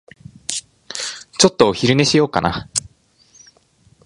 ちょっとお昼寝しようかな。